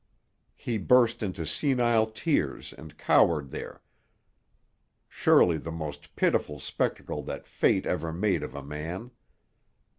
He burst into senile tears and cowered there, surely the most pitiful spectacle that fate ever made of a man.